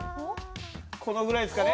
このぐらいですかね。